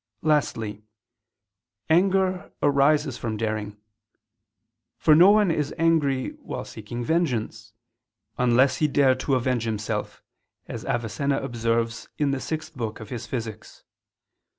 Lastly, anger arises from daring: for no one is angry while seeking vengeance, unless he dare to avenge himself, as Avicenna observes in the sixth book of his _Physics.